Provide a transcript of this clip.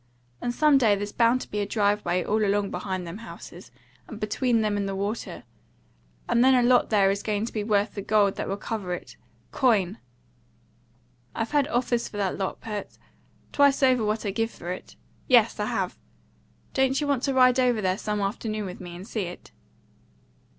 And some day there's bound to be a drive way all along behind them houses, between them and the water, and then a lot there is going to be worth the gold that will cover it COIN. I've had offers for that lot, Pert, twice over what I give for it. Yes, I have. Don't you want to ride over there some afternoon with me and see it?"